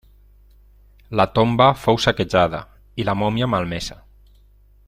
La tomba fou saquejada i la mòmia malmesa.